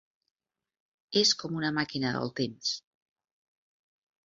És com una màquina del temps.